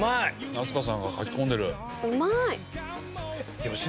飛鳥さんがかきこんでる。